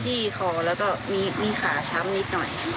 ที่คอแล้วก็มีขาช้ำนิดหน่อย